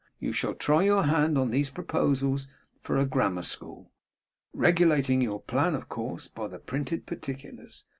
you shall try your hand on these proposals for a grammar school; regulating your plan, of course, by the printed particulars.